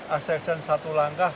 aksesor satu langkah